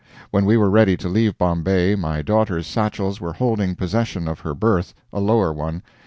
When we were ready to leave Bombay my daughter's satchels were holding possession of her berth a lower one.